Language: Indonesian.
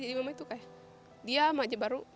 jadi mama itu kayak dia maja baru